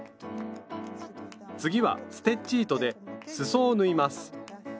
次はステッチ糸ですそを縫います。